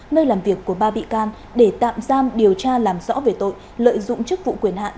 nơi làm việc của ba bị can để tạm giam điều tra làm rõ về tội lợi dụng chức vụ quyền hạn